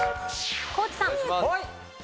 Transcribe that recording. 地さん。